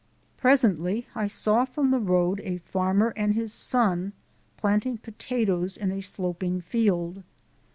Presently I saw from the road a farmer and his son planting potatoes in a sloping field.